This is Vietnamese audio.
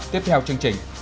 tiếp theo chương trình